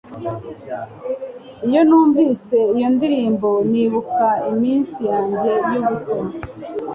Iyo numvise iyo ndirimbo nibuka iminsi yanjye y'ubuto